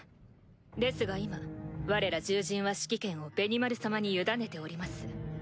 ですが今われら獣人は指揮権をベニマル様に委ねております。